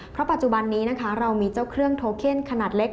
เพราะปัจจุบันนี้นะคะเรามีเจ้าเครื่องโทเคนขนาดเล็ก